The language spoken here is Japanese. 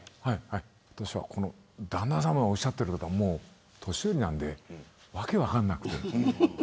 旦那さまがおっしゃっていることは年寄りなんでわけ分からなくて。